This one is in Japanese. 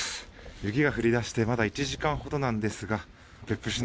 雪が降り出してまだ１時間ほどなんですが別府市内